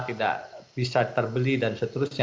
tidak bisa terbeli dan seterusnya